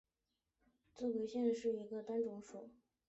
沼泽侧颈龟属是一个单种属。